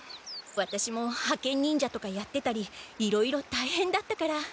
ワタシも派遣忍者とかやってたりいろいろたいへんだったから。